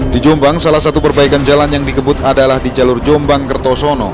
di jombang salah satu perbaikan jalan yang dikebut adalah di jalur jombang kertosono